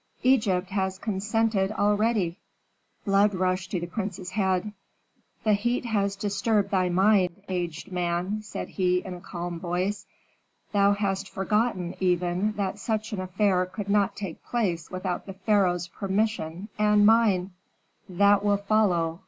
"Egypt has consented already." Blood rushed to the prince's head. "The heat has disturbed thy mind, aged man," said he, in a calm voice. "Thou hast forgotten, even, that such an affair could not take place without the pharaoh's permission and mine." "That will follow.